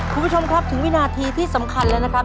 คุณผู้ชมครับถึงวินาทีที่สำคัญแล้วนะครับ